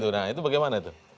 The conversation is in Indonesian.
nah itu bagaimana itu